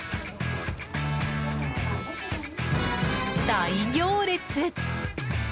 大行列！